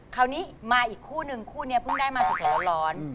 คราวนี้มาอีกคู่นึงคู่นี้เพิ่งได้มาสดร้อน